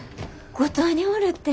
五島におるって。